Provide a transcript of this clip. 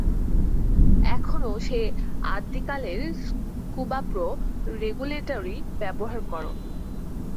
এখনো সেই আদ্যিকালের স্কুবাপ্রো রেগুলেটরই ব্যবহার করো।